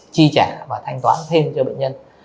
chi trả và thanh toán thêm cho bệnh nhân